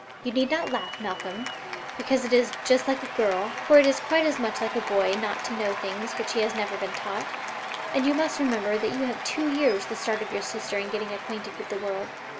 You need not laugh, Malcolm, because it is 'just like a girl,' for it is quite as much like a boy not to know things which he has never been taught, and you must remember that you have two years the start of your sister in getting acquainted with the world.